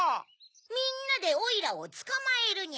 みんなでオイラをつかまえるニャ。